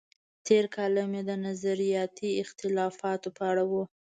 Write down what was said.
تېر کالم یې د نظریاتي اختلافاتو په اړه و.